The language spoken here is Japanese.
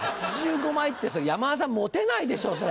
８５枚って山田さん持てないでしょそれ。